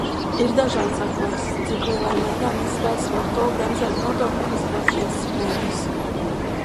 Ir dažādas aplēses, cik lielā mērā mēs spēsim ar to bremzēt nodokļu izkrāpšanas shēmas.